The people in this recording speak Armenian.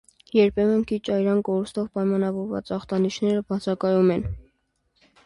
Երբեմն քիչ արյան կորստով պայմանավորված ախտանիշերը բացակայում են։